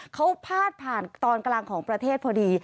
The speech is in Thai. เขาพาดผ่านตอนกลางของประเทศพอดี